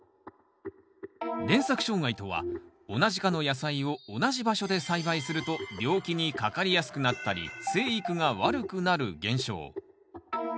連作障害とは同じ科の野菜を同じ場所で栽培すると病気にかかりやすくなったり生育が悪くなる現象。